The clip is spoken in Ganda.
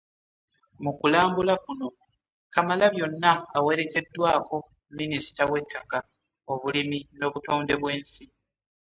Mu kulambuula kuno, Kamalabyonna awerekeddwako minisita w'ettaka, obulimi n'obutonde bw'ensi.